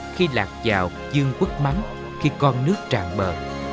khi lạc vào dương quốc mắm khi con nước tràn bờ